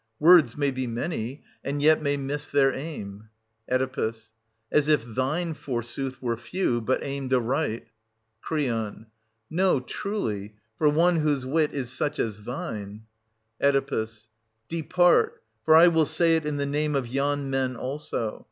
Words may be many, and yet may miss their aim. Oe. As if thine, forsooth, were few, but aimed aright. 810 Cr. No, truly, for one whose wit is such as thine. Oe. Depart — for I will say it in the name of yon men also